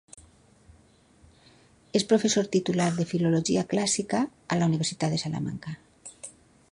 És professor titular de Filologia Clàssica a la Universitat de Salamanca.